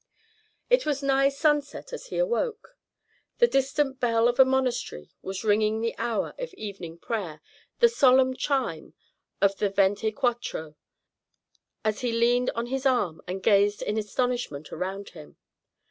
It was nigh sunset as he awoke. The distant bell of a monastery was ringing the hour of evening prayer, the solemn chime of the "Venti quattro," as he leaned on his arm and gazed in astonishment around him.